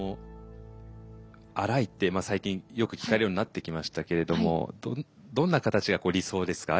アライって最近よく聞かれるようになってきましたけれどもどんな形が理想ですか？